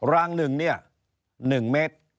รางหนึ่งเนี่ย๑เมตร